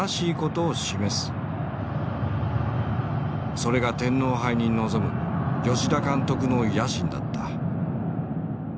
それが天皇杯に臨む吉田監督の野心だった。